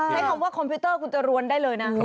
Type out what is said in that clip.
ใช้คำว่าคอมพิวเตอร์คุณจะรวนได้เลยนะ